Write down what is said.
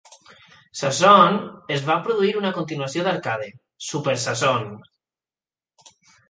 Zaxxon es va produir una continuació d'Arcade: Super Zaxxon.